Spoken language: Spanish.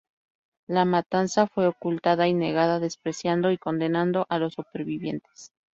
La matanza fue ocultada y negada, despreciando y condenando a los supervivientes.